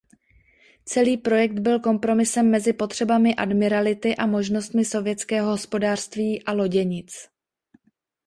Celý projekt byl kompromisem mezi potřebami admirality a možnostmi sovětského hospodářství a loděnic.